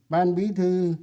ban bí thư